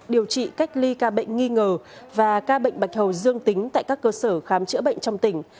điều trị cách ly ca bệnh nghi ngờ và ca bệnh bạch hầu dương tính tại các cơ sở khám chữa bệnh trong tỉnh